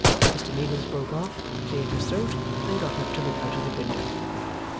Mr Meagles broke off, cleared his throat, and got up to look out of the window.